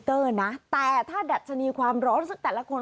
แต่ถ้าดัชนีความร้อนซึ่งแต่ละคน